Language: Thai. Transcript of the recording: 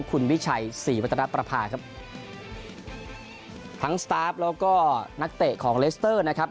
คุณวิชัยสี่วัฒนาปรภาครับ